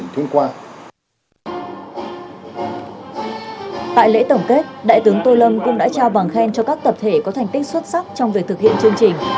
tại lễ tổng kết đại tướng tô lâm cũng đã trao bằng khen cho các tập thể có thành tích xuất sắc trong việc thực hiện chương trình